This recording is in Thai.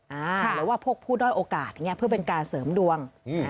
หรือว่าพวกผู้ด้อยโอกาสอย่างนี้เพื่อเป็นการเสริมดวง